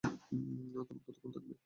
তোমরা কতক্ষণ থাকবে?